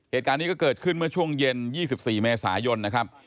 เหตุการณ์นี้ก็เกิดขึ้นเมื่อช่วงเย็น๒๔เมษายนนะครับ